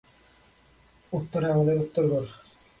উত্তরে আমাদের উত্তরগড়।